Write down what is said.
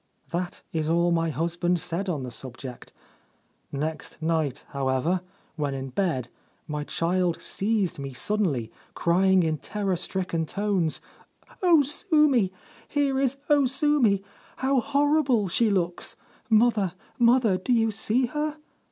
That is all that my husband said on the subject. Next night, however, when in bed, my child seized me suddenly, crying in terror stricken tones, " O Sumi — here is O Sumi — how horrible she looks ! Mother, mother, do you see her?"